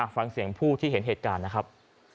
ฟังเสียงผู้ที่เห็นเหตุการณ์นะครับ